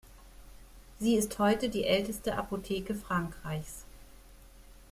Sie ist heute die älteste Apotheke Frankreichs.